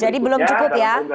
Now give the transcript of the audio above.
jadi belum cukup ya